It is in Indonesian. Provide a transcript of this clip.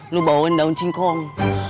lu bawain daun cingkong